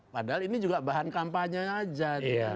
padahal ini juga bahan kampanye aja